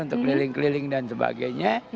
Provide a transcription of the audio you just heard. untuk keliling keliling dan sebagainya